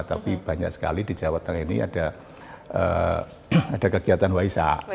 tapi banyak sekali di jawa tengah ini ada kegiatan waisak